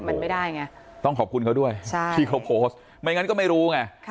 มันไม่ได้ไงต้องขอบคุณเขาด้วยที่เขาโพสต์ไม่งั้นก็ไม่รู้ไง